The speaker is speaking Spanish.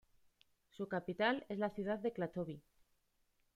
Su capital es la ciudad de Klatovy.